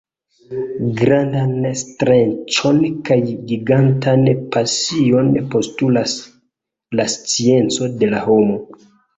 Grandan streĉon kaj gigantan pasion postulas la scienco de la homo.